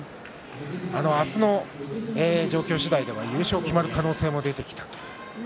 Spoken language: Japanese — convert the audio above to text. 明日の状況次第では優勝も決まる可能性も出てきました。